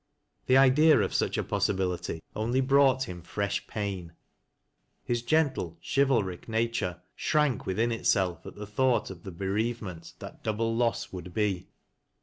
The idea of such a possibility only brought him fresh pain. His gentle chivalric nature shrank within itself at the thought of the bereavement that double loss would be.